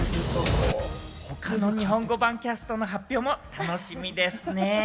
他の日本語版キャストの発表も楽しみですね。